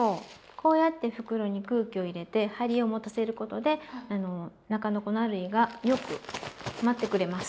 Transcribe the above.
こうやって袋に空気を入れて張りを持たせることで中の粉類がよく舞ってくれます。